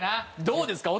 どうですか？